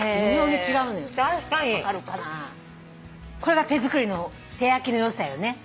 これが手作りの手焼きのよさよね。